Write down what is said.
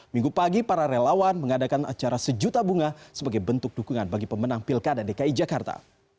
minggu pagi para relawan mengadakan acara sejuta bunga sebagai bentuk dukungan bagi pemenang pilkada dki jakarta